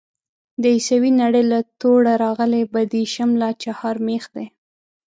د عيسوي نړۍ له توړه راغلی بدېشم لا چهارمېخ دی.